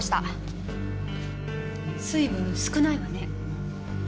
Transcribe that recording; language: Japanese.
水分少ないわね。